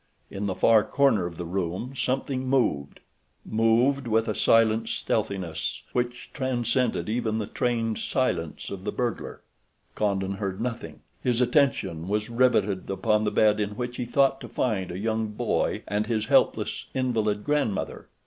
In the far corner of the room something moved—moved with a silent stealthiness which transcended even the trained silence of the burglar. Condon heard nothing. His attention was riveted upon the bed in which he thought to find a young boy and his helpless, invalid grandmother.